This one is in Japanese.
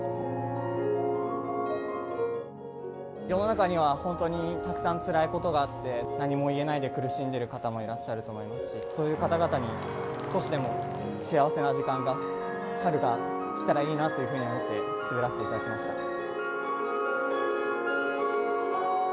世の中には本当にたくさんつらいことがあって、何も言えないで苦しんでいる方もいらっしゃると思いますし、そういう方々に少しでも幸せな時間が、春が来たらいいなというふうに思って滑らせていただきました。